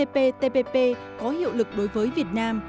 ptpp có hiệu lực đối với việt nam